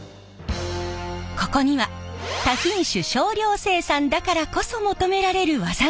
ここには多品種少量生産だからこそ求められる技があるんです。